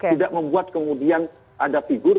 tidak membuat kemudian ada figur